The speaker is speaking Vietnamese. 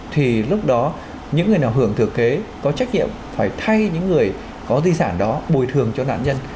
thì lúc đó những người nào hưởng thừa kế có trách nhiệm phải thay những người có di sản đó bồi thường cho nạn nhân